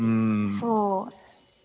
そう。